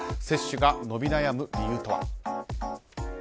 接種が伸び悩む理由とは。